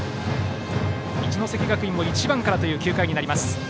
一関学院も１番からという９回になります。